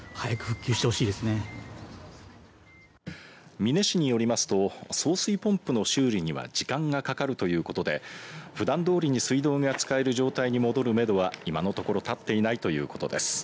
美祢市によりますと送水ポンプの修理には時間がかかるということでふだん通りに水道が使える状態に戻るめどは今のところ立っていないということです。